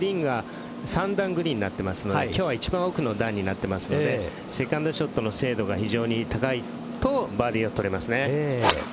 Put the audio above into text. ３段グリーンになっていますので今日は１番奥の段になってますのでセカンドショットの精度が非常に高いとバーディーが取れますね。